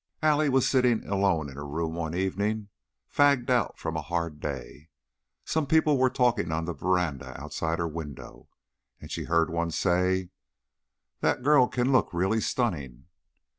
Allie was sitting alone in her room one evening, fagged out from a hard day. Some people were talking on the veranda outside her window, and she heard one say: "The girl can look really stunning."